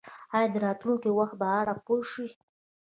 ایا د راتلونکي وخت په اړه پوه شوئ؟